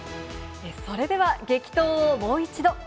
それでは激闘をもう一度。